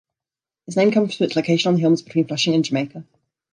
Its name comes from its location on the hills between Flushing and Jamaica.